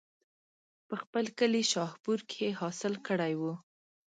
پۀ خپل کلي شاهپور کښې حاصل کړے وو